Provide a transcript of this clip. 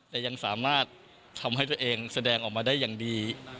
แต่ยังสามารถทำให้ตัวเองแสดงออกมาได้อย่างดี